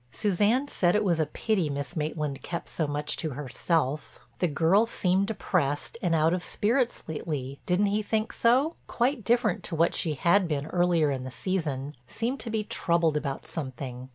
Suzanne said it was a pity Miss Maitland kept so much to herself—the girl seemed depressed and out of spirits lately, didn't he think so? Quite different to what she had been earlier in the season, seemed to be troubled about something.